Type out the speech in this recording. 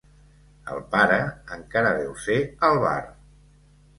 El pare encara deu ser al bar.